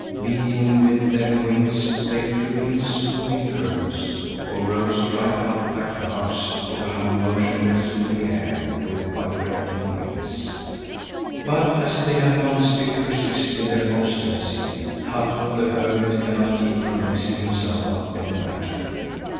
Beating with their wings, they flew in swooping curves, or rose right up like larks or hung motionless in the air with vibrating wings. But as the young ones still persist in their obstinacy, Hatto the hermit cannot keep from mixing himself up in the matter.